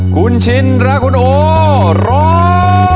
คุณชินและคุณโอร้อง